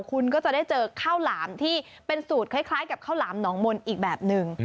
คุณก็จะได้เจอข้าวหลามที่เป็นสูตรคล้ายกับข้าวหลามหนองมนต์อีกแบบหนึ่ง